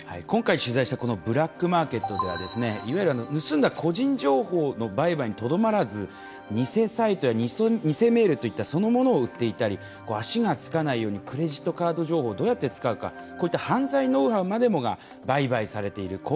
今回取材したこのブラックマーケットではいわゆる盗んだ個人情報の売買にとどまらず偽サイトや偽メールといったそのものを売っていたり足がつかないようにクレジットカード情報をどうやって使うかこういった犯罪ノウハウまでもが売買されている